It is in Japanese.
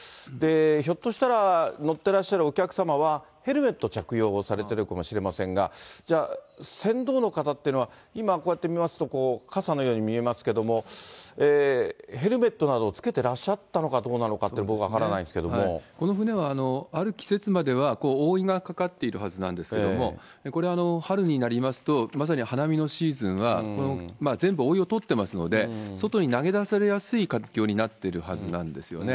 ひょっとしたら、乗ってらっしゃるお客様はヘルメット着用をされてるかもしれませんが、じゃあ、船頭の方っていうのは、今こうやって見ますと、傘のように見えますけれども、ヘルメットなどを着けてらっしゃったのかどうなのかというのは、この舟は、ある季節までは、おおいがかかっているはずなんですけれども、これ、春になりますと、まさに花見のシーズンは、全部おおいを取ってますので、外に投げ出されやすい環境になってるはずなんですよね。